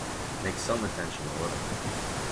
Make some attention a little.